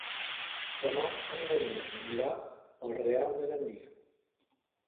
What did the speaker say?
Demà en Maria anirà al Real de Gandia.